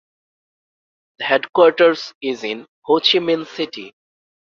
The headquarters is in Ho Chi Minh City.